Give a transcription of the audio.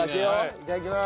いただきます！